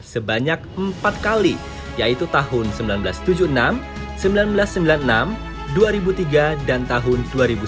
sebanyak empat kali yaitu tahun seribu sembilan ratus tujuh puluh enam seribu sembilan ratus sembilan puluh enam dua ribu tiga dan tahun dua ribu sembilan